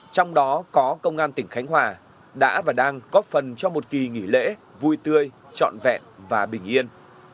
trong đó có công an tỉnh khánh hòa đã và đang góp phần cho một kỳ nghỉ lễ vui tươi trọn vẹn và bình yên